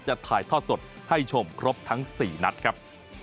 ถ่ายทอดสดให้ชมครบทั้ง๔นัดครับ